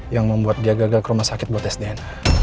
yang membuat dia gagal ke rumah sakit buat sdn